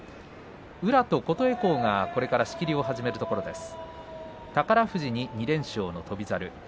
宇良と琴恵光がこれから仕切りを始めるところです。